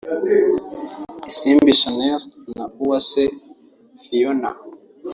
Isimbi Chanelle na Uwase Fiona